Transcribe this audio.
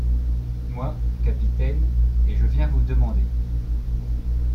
Moi, capitaine, et je viens vous demander…